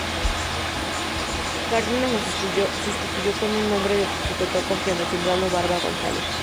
Cárdenas lo sustituyó con un hombre de su total confianza, Silvano Barba González.